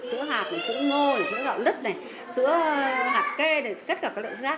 sữa hạt này sữa ngô này sữa gạo đứt này sữa hạt kê này tất cả các loại sữa hạt